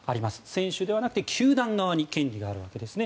選手ではなくて球団側に権利があるわけです。